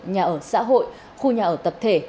nhà ở xã hội khu nhà ở tập thể